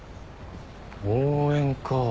応援か。